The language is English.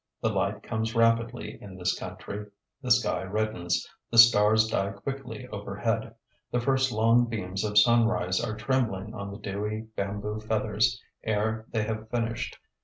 The light comes rapidly in this country: the sky reddens, the stars die quickly overhead, the first long beams of sunrise are trembling on the dewy bamboo feathers ere they have finished.